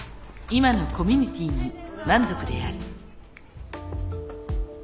今のコミュニティーに満足である。